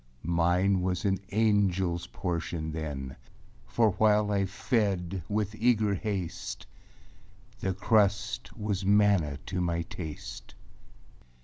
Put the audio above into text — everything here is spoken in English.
Mine was an angelâs portion then, For while I fed with eager haste, The crust was manna to my taste.